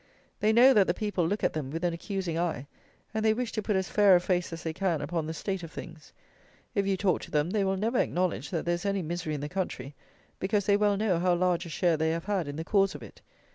They know that the people look at them with an accusing eye: and they wish to put as fair a face as they can upon the state of things. If you talk to them, they will never acknowledge that there is any misery in the country; because they well know how large a share they have had in the cause of it.